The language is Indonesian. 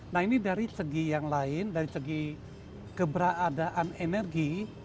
nah ini dari segi yang lain dari segi keberadaan energi